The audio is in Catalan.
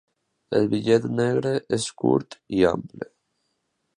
El bitllet negre es curt i ample.